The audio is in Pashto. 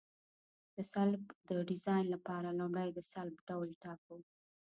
د سلب د ډیزاین لپاره لومړی د سلب ډول ټاکو